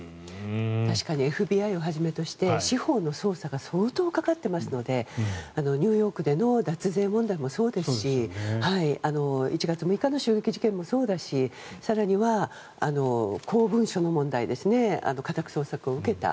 確かにＦＢＩをはじめとして司法の捜査が相当かかっていますのでニューヨークでも脱税問題もそうですが１月６日の襲撃事件もそうですし公文書の問題家宅捜索を受けた。